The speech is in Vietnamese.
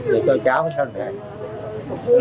vì con cháu không sao nè